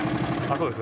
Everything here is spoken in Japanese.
そうです